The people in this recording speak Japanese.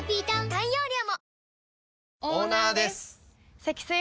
大容量も！